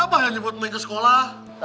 apa yang buat mereka sekolah